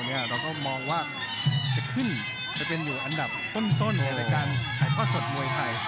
เราก็มองว่าจะขึ้นจะเป็นอยู่อันดับต้นในรายการถ่ายทอดสดมวยไทย